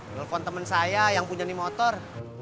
nelfon teman saya yang punya di motor